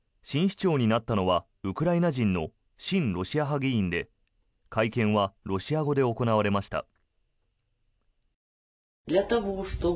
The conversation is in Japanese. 新市長になったのはウクライナ人の親ロシア派議員で会見はロシア語で行われました。